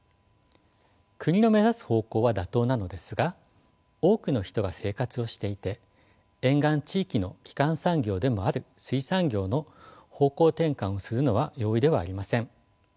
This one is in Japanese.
国の目指す方向は妥当なのですが多くの人が生活をしていて沿岸地域の基幹産業でもある水産業の方向転換をするのは容易ではありません。